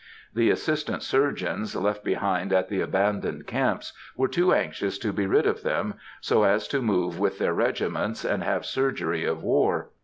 The assistant surgeons, left behind at the abandoned camps, are too anxious to be rid of them, so as to move with their regiments, and have surgery of war.